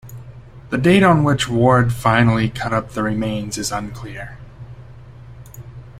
The date on which Ward finally cut up the remains is unclear.